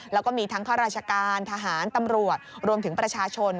แล้วก็มีทั้งข้าราชการทหารตำรวจรวมถึงประชาชน